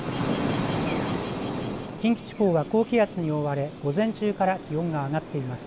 近畿地方は、高気圧に覆われ午前中から気温が上がっています。